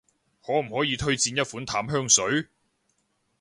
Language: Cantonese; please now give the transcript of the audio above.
可唔可以推薦一款淡香水？